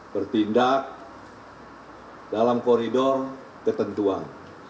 bertindak dalam koridor ketentuan